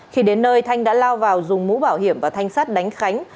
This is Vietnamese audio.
khi đến nơi thanh đã lao vào dùng mũ bảo hiểm và thanh sắt đánh khánh